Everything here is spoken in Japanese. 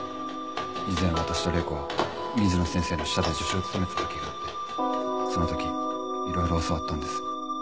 以前私と礼子は水野先生の下で助手を務めてた時があってその時いろいろ教わったんです。